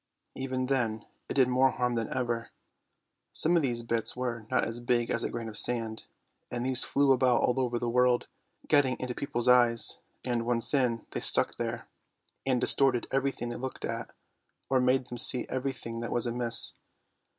Even then it did more harm than ever. Some of these bits were not as big as a grain of sand, and these flew about all over the world, getting into people's eyes, and, once in, they stuck there, and distorted everything they looked at, or made them see every thing that was amiss.